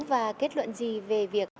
và kết luận gì về việc